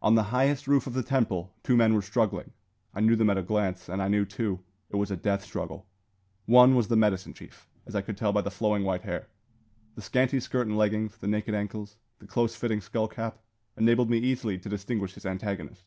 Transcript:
On the highest roof of the temple two men were struggling. I knew them at a glance; and I knew, too, it was a death struggle. One was the medicine chief, as I could tell by the flowing, white hair. The scanty skirt and leggings, the naked ankles, the close fitting skull cap, enabled me easily to distinguish his antagonist.